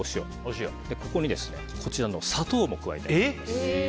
ここに、砂糖も加えていきます。